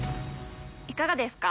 いかがですか？